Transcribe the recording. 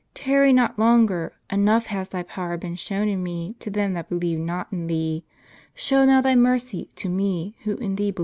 Tarry not longer; enough has Thy power been shown in me to them that believe not in Thee ; show now Thy mercy to me who in Thee believe